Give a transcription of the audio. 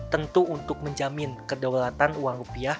tentu untuk menjamin kedaulatan uang rupiah